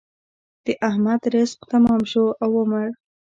د احمد رزق تمام شو او ومړ.